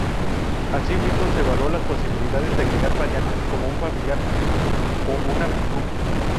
Asimismo se evaluó las posibilidades de agregar variantes como un familiar o una pickup.